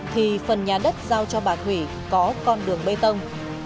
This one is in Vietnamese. thì phần nhà đất giao cho bà thủy có con đường bê tông